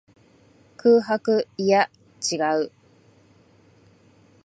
空白。いや、違う。